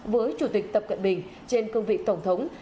với chủ tịch tập cận bình trên cương vị tổng thống